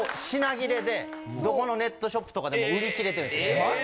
品切れでどこのネットショップとかでも売り切れてるんです。